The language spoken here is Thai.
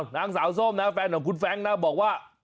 นางสาวส้มนะแฟนของคุณแฟรงค์นะบอกว่า